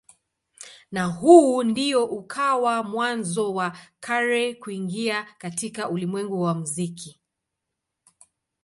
Na huu ndio ukawa mwanzo wa Carey kuingia katika ulimwengu wa muziki.